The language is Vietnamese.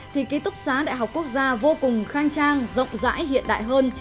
thì ký túc xá đại học quốc gia vô cùng khang trang rộng rãi hiện đại hơn